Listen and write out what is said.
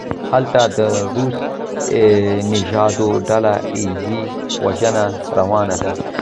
هلته د روس نژادو ډله ایزه وژنه روانه ده.